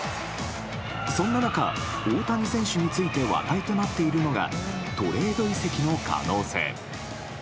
そんな中、大谷選手について話題になっているのがトレード移籍の可能性。